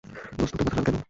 দোস্ত তোর মাথা লাল কেন?